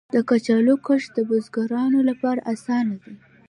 د کچالو کښت د بزګرانو لپاره اسانه دی.